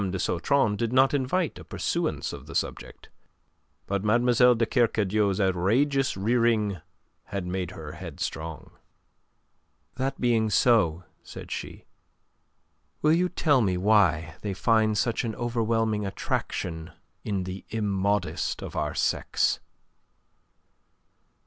de Sautron did not invite a pursuance of the subject. But Mlle. de Kercadiou's outrageous rearing had made her headstrong. "That being so," said she, "will you tell me why they find such an overwhelming attraction in the immodest of our sex?"